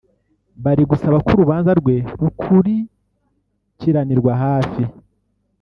bari gusaba ko urubanza rwe rukurikiranirwa hafi